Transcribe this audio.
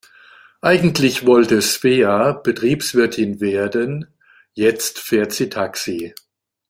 Eigentlich wollte Svea Betriebswirtin werden, jetzt fährt sie Taxi.